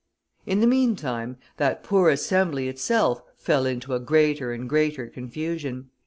In the meantime, that poor Assembly itself fell into a greater and greater confusion.